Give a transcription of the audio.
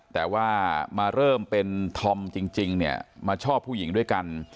แต่ว่ามาเริ่มเป็นธอมจริงเนี่ยมาชอบผู้หญิงด้วยกัน